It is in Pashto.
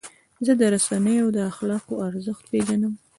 زه د رسنیو د اخلاقو ارزښت پیژنم.